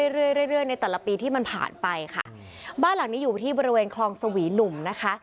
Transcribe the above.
เรื่อยเรื่อยในแต่ละปีที่มันผ่านไปค่ะบ้านหลังนี้อยู่ที่บริเวณคลองสวีหนุ่มนะคะ